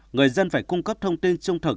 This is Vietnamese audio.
người dân phải cung cấp thông tin trung thực